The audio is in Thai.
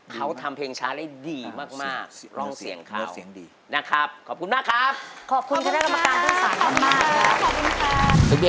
เขาทำเพลงช้าได้ดีมากร่องเสียงเขา